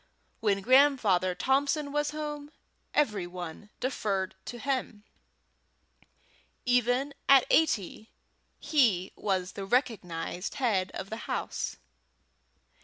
When Grandfather Thompson was at home, every one deferred to him. Even at eighty he was the recognized head of the house.